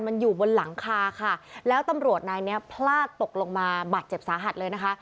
มันอยู่บนหลังคาค่ะแล้วตำรวจนายเนี้ยพลาดตกลงมาบาดเจ็บสาหัสเลยนะคะ